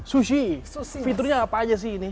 sushi fiturnya apa aja sih ini